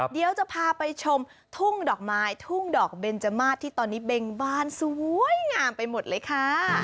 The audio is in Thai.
เดี๋ยวจะพาไปชมทุ่งดอกไม้ทุ่งดอกเบนจมาสที่ตอนนี้เบงบ้านสวยงามไปหมดเลยค่ะ